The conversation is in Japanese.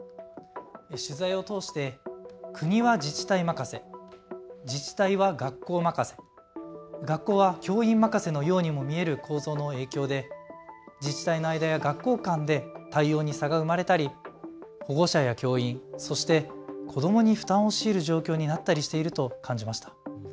取材を通して国は自治体任せ、自治体は学校任せ、学校は教員任せのようにも見える構造の影響で自治体の間や学校間で対応に差が生まれたり、保護者や教員、そして子どもに負担を強いる状況になったりしていると感じました。